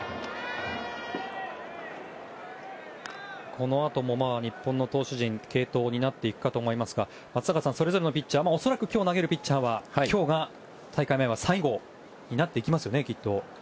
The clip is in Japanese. このあとも日本の投手陣、継投を担っていくかと思いますが松坂さん、それぞれのピッチャー恐らく今日投げるピッチャーは今日が大会前最後になっていきますよね、きっと。